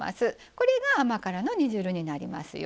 これが甘辛の煮汁になりますよ。